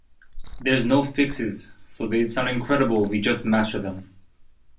There's no fixes, so they'd sound incredible if we just master them.